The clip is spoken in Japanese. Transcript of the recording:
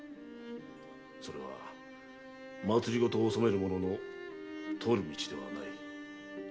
それは「政」を治める者のとる道ではない。